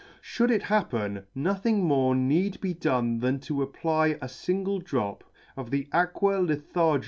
Should it happen, nothing more need be done than to apply a fingle drop of the Aqua Lythargyr.